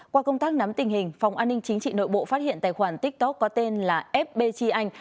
qua công tác nắm tình hình phòng an ninh chính trị nội bộ phát hiện tài khoản tiktok có tên là fbg anh